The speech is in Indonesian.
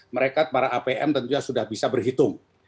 mereka para apm tentunya sudah bisa berhitung